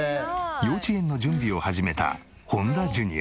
幼稚園の準備を始めた本田ジュニア。